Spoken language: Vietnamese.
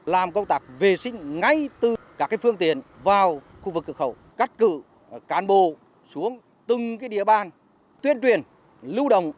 làm công tác vệ sinh ngay từ các phương tiện vào khu vực cực khẩu cắt cử cán bồ xuống từng địa bàn tuyên truyền lưu đồng